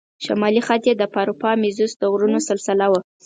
شمالي خط یې د پاروپامیزوس د غرونو سلسله وه.